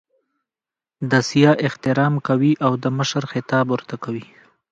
د سیاح احترام کوي او د مشر خطاب ورته کوي.